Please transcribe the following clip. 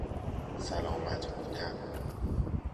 سلامت بودن